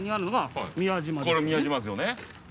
これ宮島ですよね。